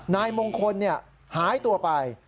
นายมงคลหายตัวไป